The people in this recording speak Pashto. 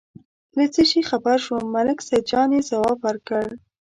له څه شي خبر شوم، ملک سیدجان یې ځواب ورکړ.